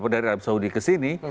dari saudi ke sini